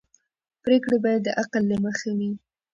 پرېکړې باید د عقل له مخې وي